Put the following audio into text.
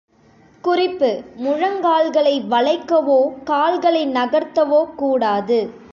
குறிப்பு முழங்கால்களை வளைக்கவோ, கால்களை நகர்த்தவோ கூடாது.